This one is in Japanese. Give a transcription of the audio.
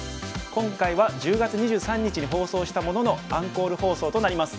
今回は１０月２３日に放送したもののアンコール放送となります。